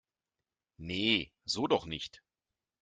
Nee, so doch nicht!